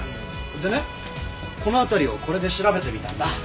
でねこの辺りをこれで調べてみたんだ。